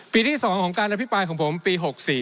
ที่๒ของการอภิปรายของผมปี๖๔